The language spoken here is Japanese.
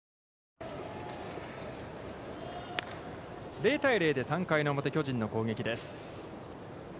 ０対０で３回表、巨人の攻撃です。